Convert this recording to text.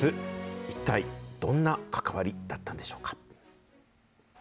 一体どんな関わりだったんでしょうか。